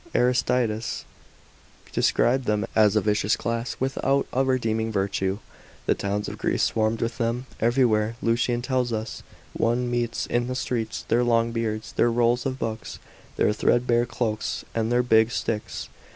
Aristides described them as a vicious class, without a redeeming virtue. The towns of Greece swarmed with them. Everywhere, Lucian tells us,f one meets in the streets their long beards, their rolls of books, their threadbare cloaks, and their big sticks.